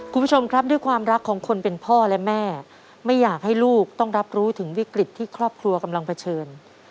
คุณผู้ชมครับด้วยความรักของคนเป็นพ่อและแม่ไม่อยากให้ลูกต้องรับรู้ถึงวิกฤตที่ครอบครัวกำลังเผชิญ